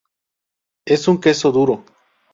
Es un queso duro.